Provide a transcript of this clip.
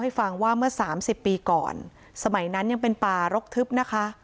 ฟังว่าเมื่อสามสิบปีก่อนสมัยนั้นยังเป็นป่ารกทึบนะคะ